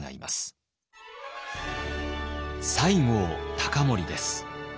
西郷隆盛です。